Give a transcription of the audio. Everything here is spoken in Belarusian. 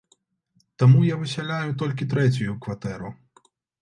Таму я высяляю толькі трэцюю кватэру.